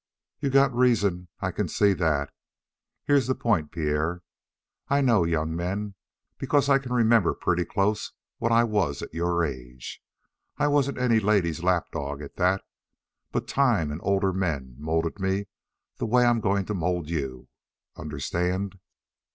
"You got reason; I can see that. Here's the point, Pierre. I know young men because I can remember pretty close what I was at your age. I wasn't any ladies' lap dog, at that, but time and older men molded me the way I'm going to mold you. Understand?"